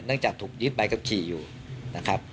เนื่องจากถูกยึดใบกับทีอยู่นะครับ